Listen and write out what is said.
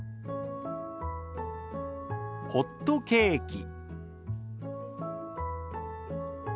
「ホットケーキ」。